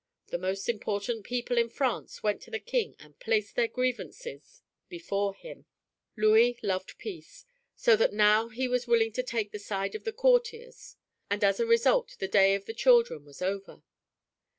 The most important people in France went to the King and placed their grievances before him. Louis loved peace, so that now he was willing to take the side of the courtiers, and as a result the day of the children was over.